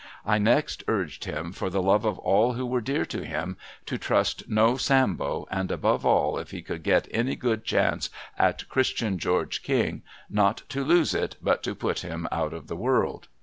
I next urged him, for the love of all who were dear to him, to trust no Sambo, and, above all, if he could get any good chance at Christian George King, not to lose it, but to put him out of the world.